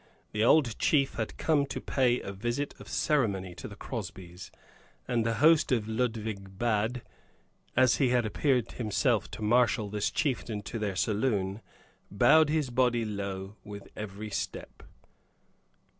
The old chief had come to pay a visit of ceremony to the Crosbys. And the host of the Ludwig Bad, as he appeared himself to marshal this chieftain to their saloon, bowed his body low with every step.